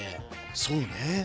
そうね。